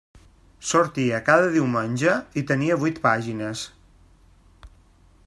Sortia cada diumenge i tenia vuit pàgines.